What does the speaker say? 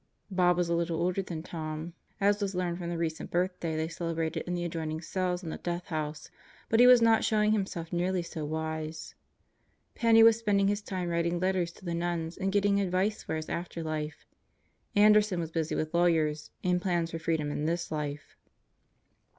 Bob was a little older than Tom, as was learned from the recent birthday they celebrated in the adjoining cells in the Death House; but he was not showing himself nearly so wise. Penney was spend ing his time writing letters to the nuns and getting advice for his afterlife; Anderson was busy with lawyers and plans for freedom in this life.